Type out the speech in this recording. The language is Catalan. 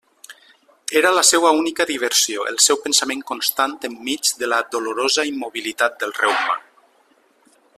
Era la seua única diversió, el seu pensament constant enmig de la dolorosa immobilitat del reuma.